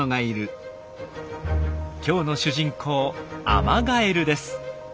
今日の主人公アマガエルです。